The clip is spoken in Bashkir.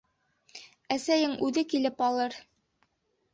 — Әсәйең үҙе килеп алыр.